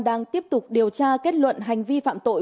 đang tiếp tục điều tra kết luận hành vi phạm tội